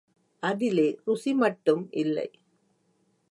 அதிலே ருசி மட்டும் இல்லை.